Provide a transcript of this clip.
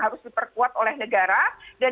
harus diperkuat oleh negara dan